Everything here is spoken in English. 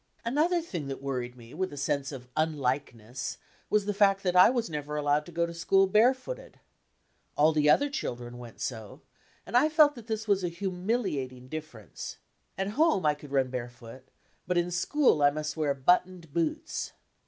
Another thing that worried me with a sense of unlike ness was the fact that I was never allowed to go to school barefooted. All the other children went so, and I felt that this was a humiliating difference. At home I could run barefoot, but in school I must wear "buttoned boots."